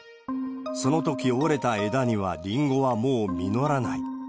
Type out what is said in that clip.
そのとき折れた枝にはリンゴはもう実らない。